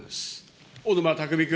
小沼巧君。